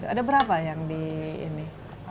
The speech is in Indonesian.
ada berapa yang di ini